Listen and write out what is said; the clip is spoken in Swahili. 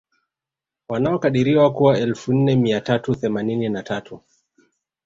Wanaokadiriwa kuwa elfu nne mia tatu themanini na tatu